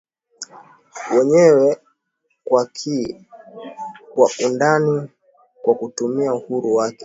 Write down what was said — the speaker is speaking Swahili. wenyewe kwa ki kwa undani kwa kutumia uhuru wake